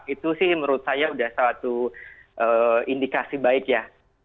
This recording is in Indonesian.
itu sih menurut saya sudah suatu indikasi baik ya